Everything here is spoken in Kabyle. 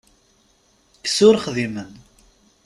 Kkes ur xdimen.